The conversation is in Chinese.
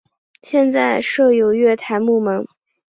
现在设有月台幕门。